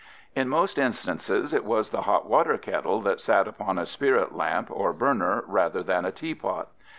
In most instances it was the hot water kettle that sat upon a spirit lamp or burner rather than a teapot.